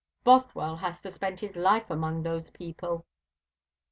"Bothwell has to spend his life among those people."